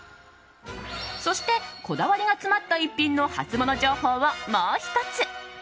そしてこだわりが詰まった逸品のハツモノ情報をもう１つ。